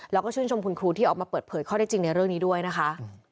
แล้วก็ชื่นชมคุณครูที่ออกมาเปิดเผยข้อได้จริงในเรื่องนี้ด้วยนะคะ